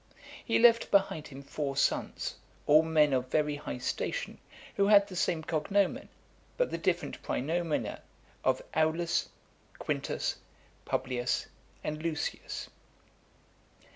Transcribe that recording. He left behind him four sons, all men of very high station, who had the same cognomen, but the different praenomina of Aulus, Quintus, Publius, and Lucius.